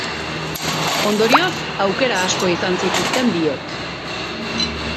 Ondorioz, aukera asko izan zituzten biek.